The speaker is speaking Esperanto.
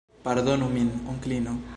Pardonu min, Onklino.